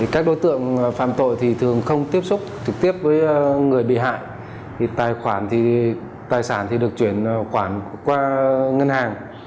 các đối tượng phạm tội thường không tiếp xúc trực tiếp với người bị hại tài sản được chuyển qua ngân hàng